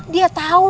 dia udah tua